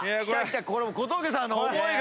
これ小峠さんの思いが。